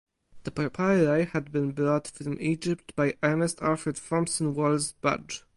The papyri had been brought from Egypt by Ernest Alfred Thompson Wallis Budge.